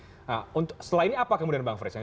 nah setelah ini apa kemudian bang frits